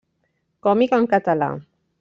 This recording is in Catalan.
Còmic en català.